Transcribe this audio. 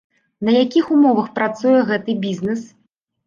На якіх умовах працуе гэты бізнес?